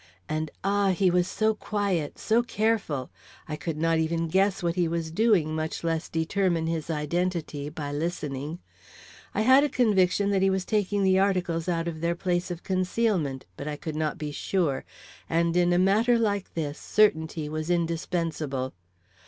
and ah, he was so quiet, so careful! I could not even guess what he was doing, much less determine his identity, by listening. I had a conviction that he was taking the articles out of their place of concealment, but I could not be sure; and in a matter like this, certainty was indispensable.